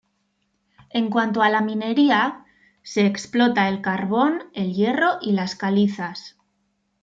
En cuanto a la minería, se explota el carbón, el hierro y las calizas.